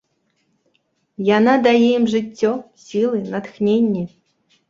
Яна дае ім жыццё, сілы, натхненне.